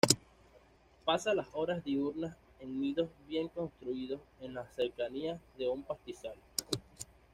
Pasa las horas diurnas en nidos bien construidos en las cercanías de un pastizal.